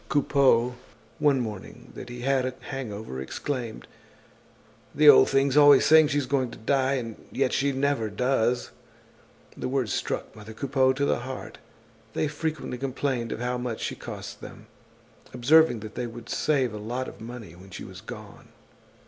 Coupeau, one morning that he had a hangover, exclaimed: "The old thing's always saying she's going to die, and yet she never does!" The words struck mother Coupeau to the heart. They frequently complained of how much she cost them, observing that they would save a lot of money when she was gone.